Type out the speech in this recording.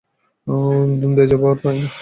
Déjà vu, তাই না?